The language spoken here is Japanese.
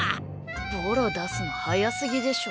ボロ出すの早すぎでしょ。